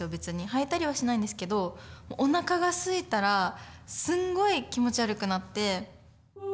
吐いたりはしないんですけどおなかがすいたらすんごい気持ち悪くなって。